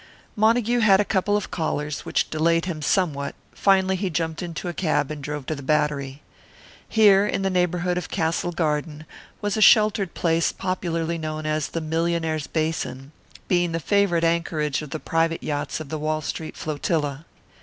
Montague had a couple of callers, which delayed him somewhat; finally he jumped into a cab and drove to the Battery. Here, in the neighbourhood of Castle Garden, was a sheltered place popularly known as the "Millionaires' Basin," being the favourite anchorage of the private yachts of the "Wall Street flotilla."